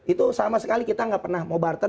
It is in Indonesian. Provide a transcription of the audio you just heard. itu sama sekali kita nggak pernah mau barter